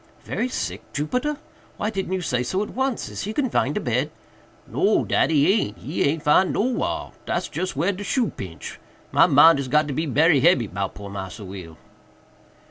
"Very sick, Jupiter!—why didn't you say so at once? Is he confined to bed?" "No, dat he aint!—he aint 'fin'd nowhar—dat's just whar de shoe pinch—my mind is got to be berry hebby 'bout poor Massa Will."